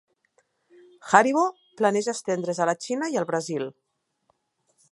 Haribo planeja estendre's a la Xina i al Brasil.